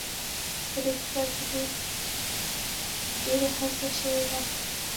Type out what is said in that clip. په دې کتاب کې ډېره هڅه شوې ده.